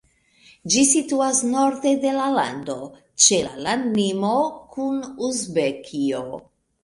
Ĝi situas norde de la lando, ĉe la landlimo kun Uzbekio.